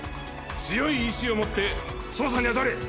強い意志を持って捜査に当たれ！